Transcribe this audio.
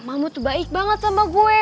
mamamu tuh baik banget sama gue